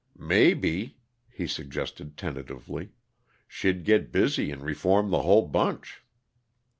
"Maybe," he suggested tentatively, "she'd get busy and reform the whole bunch."